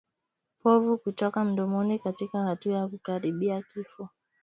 Povu kutoka mdomoni katika hatua ya kukaribia kifo